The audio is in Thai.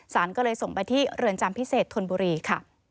สารก็เลยส่งไปที่เรือนจำพิเศษธนบุรีค่ะ